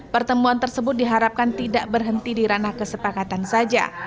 pertemuan tersebut diharapkan tidak berhenti di ranah kesepakatan saja